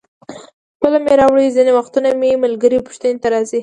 خپله مې راوړي، ځینې وختونه مې ملګري پوښتنې ته راځي.